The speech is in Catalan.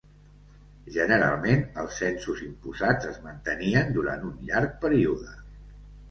Generalment els censos imposats es mantenien durant un llarg període.